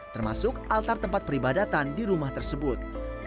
termasuk altar tempat peribadatan di rumah tersebut